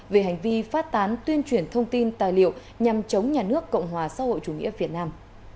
về hành vi phát tán tuyên truyền thông tin tài liệu nhằm chống nhà nước cộng hòa xã hội chủ nghĩa việt nam